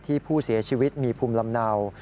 ที่ผู้เสียชีวิตมีภูมิลำเนา